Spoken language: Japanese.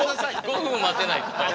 ５分も待てないと。